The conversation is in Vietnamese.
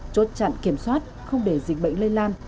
chốt chặn kiểm soát không để dịch bệnh lây lan